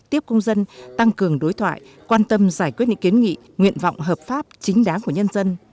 tiếp công dân tăng cường đối thoại quan tâm giải quyết những kiến nghị nguyện vọng hợp pháp chính đáng của nhân dân